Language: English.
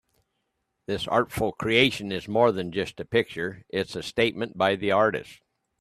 This artful creation is more than just a picture, it's a statement by the artist.